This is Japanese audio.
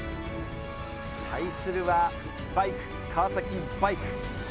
対するはバイク川崎バイク。